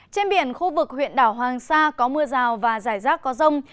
trên biển khu vực huyện đảo hoàng sa có mưa rào và giải rác có rong